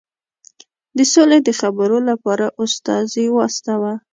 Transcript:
د سولي د خبرو لپاره استازی واستاوه.